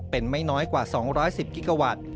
เป็นไม่น้อยกว่า๒๑๐กิกาวัตต์